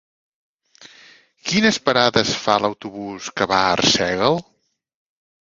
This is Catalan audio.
Quines parades fa l'autobús que va a Arsèguel?